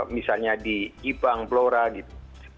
misalnya di ipang blora gitu